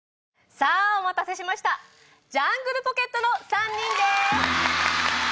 さぁお待たせしましたジャングルポケットの３人です。